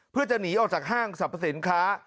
เพื่อจะหนีออกจากห้างสรรพสินค้า